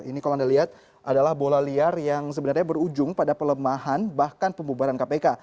ini kalau anda lihat adalah bola liar yang sebenarnya berujung pada pelemahan bahkan pembubaran kpk